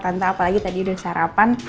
tanpa apalagi tadi udah sarapan